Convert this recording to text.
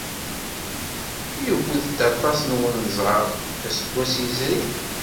Iwet-d aṭas n unẓar, aseggas yezrin.